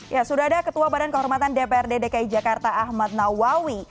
ya sudah ada ketua badan kehormatan dprd dki jakarta ahmad nawawi